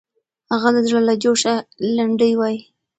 هغه د زړه له جوشه لنډۍ وایي.